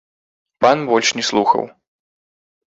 Пан больш не слухаў.